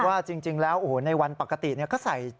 ว่าจริงแล้วโอ้โหในวันปกติก็ใส่